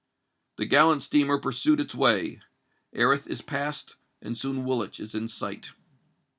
The gallant steamer pursued its way: Erith is passed;—and soon Woolwich is in sight.